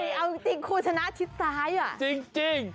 เอาจริงครูชนะชิดซ้ายอ่ะจริง